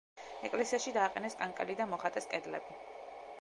ეკლესიაში დააყენეს კანკელი და მოხატეს კედლები.